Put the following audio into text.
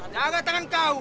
jangan tenang kau